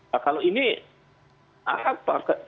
kalau ini apa